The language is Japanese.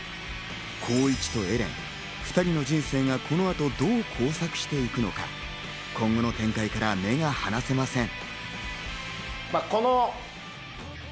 光一とエレン、２人の人生がこの後どう交錯していくのか、今後の展開から目が離せません。